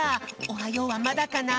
「おはよう」はまだかな？